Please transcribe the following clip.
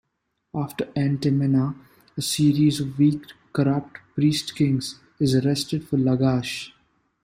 After Entemena, a series of weak, corrupt priest-kings is attested for Lagash.